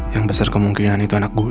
yang besar kemungkinan itu anak gue